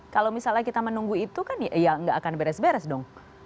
kalau misalnya kita menunggu itu kan ya nggak akan beres beres dong